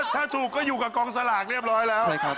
ถ้าถูกก็อยู่กับกองสลากเรียบร้อยแล้ว